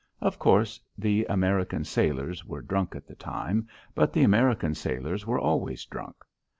Of course the American sailors were drunk at the time, but the American sailors were always drunk.